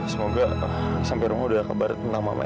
semoga sampai rumah udah kebarat nama mama ya